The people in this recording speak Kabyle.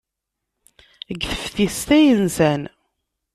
Deg teftist ay nsan.